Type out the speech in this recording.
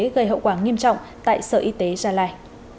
gây hậu quả nghiêm trọng tại sở y tế gia lai